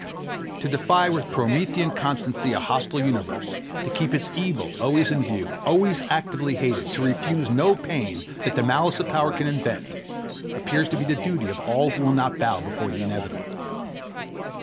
To defy with Promethean constancy a hostile universe, to keep its evil always in view, always actively hated, to refuse no pain that the malice of Power can invent, appears to be the duty of all who will not bow before the inevitable.